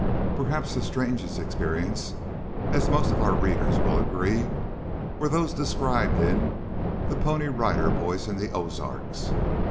Perhaps the strangest experiences, as most of our readers will agree, were those described in "The Pony Rider Boys In The Ozarks."